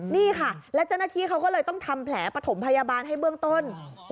นี่ค่ะแล้วเจ้าหน้าที่เขาก็เลยต้องทำแผลปฐมพยาบาลให้เบื้องต้น